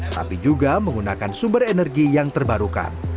tapi juga menggunakan sumber energi yang terbarukan